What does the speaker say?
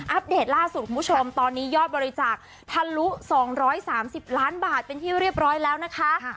เดตล่าสุดคุณผู้ชมตอนนี้ยอดบริจาคทะลุ๒๓๐ล้านบาทเป็นที่เรียบร้อยแล้วนะคะ